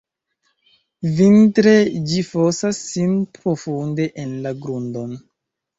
Vintre ĝi fosas sin profunde en la grundon.